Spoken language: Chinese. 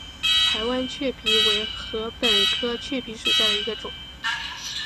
台湾雀稗为禾本科雀稗属下的一个种。